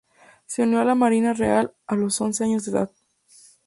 Se unió a la Marina Real a los once años de edad.